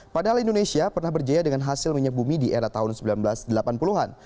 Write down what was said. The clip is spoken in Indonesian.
padahal indonesia pernah berjaya dengan hasil minyak bumi di era tahun seribu sembilan ratus delapan puluh an